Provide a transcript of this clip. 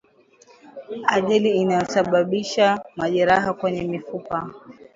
Ajali inayosababisha majeraha kwenye mifupa